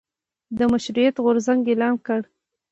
د مشروطیت غورځنګ اعلان کړ.